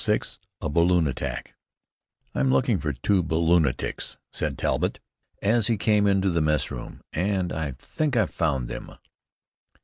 VI A BALLOON ATTACK "I'm looking for two balloonatics," said Talbott, as he came into the messroom; "and I think I've found them."